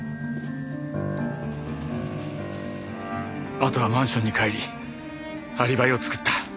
あとはマンションに帰りアリバイを作った。